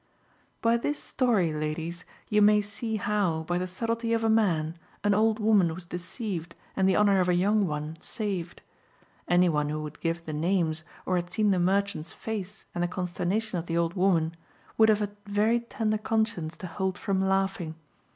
"By this story, ladies, you may see how, by the subtlety of a man, an old woman was deceived and the honour of a young one saved. Any one who would give the names, or had seen the merchant's face and the consternation of the old woman, would have a very tender conscience to hold from laughing.